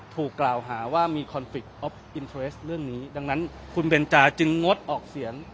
ถูกกล่าวหาว่ามีเรื่องนี้ดังนั้นคุณเบนจาจึงงดออกเสียง